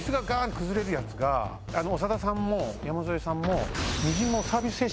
崩れるやつが長田さんも山添さんも。